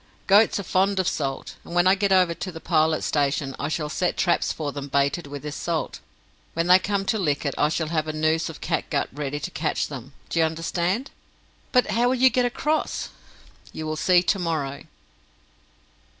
"Goats are fond of salt, and when I get over to the Pilot Station I shall set traps for them baited with this salt. When they come to lick it, I shall have a noose of catgut ready to catch them do you understand?" "But how will you get across?" "You will see to morrow."